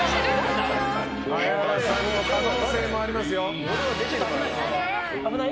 綾菜さんの可能性もありますよ。